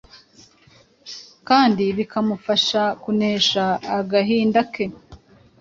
kandi bikamufasha kunesha agahinda ke.